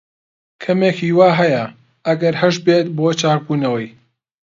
کەمێک ھیوا ھەیە، ئەگەر ھەشبێت، بۆ چاکبوونەوەی.